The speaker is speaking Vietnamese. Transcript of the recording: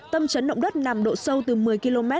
tâm trấn động đất nằm độ sâu từ một mươi km